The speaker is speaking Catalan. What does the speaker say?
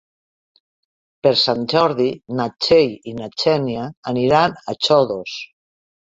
Per Sant Jordi na Txell i na Xènia aniran a Xodos.